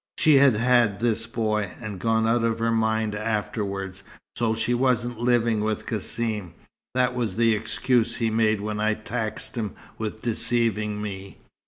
She had had this boy, and gone out of her mind afterwards, so she wasn't living with Cassim that was the excuse he made when I taxed him with deceiving me.